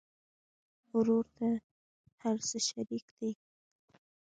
ورور ته هر څه شريک دي.